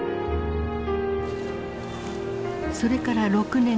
それから６年後。